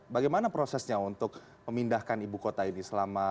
bagaimana prosesnya untuk memindahkan ibu kota ini selama